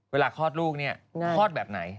คลอดลูกเนี่ยคลอดแบบไหน